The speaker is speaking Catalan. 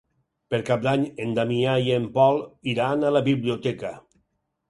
Per Cap d'Any en Damià i en Pol iran a la biblioteca.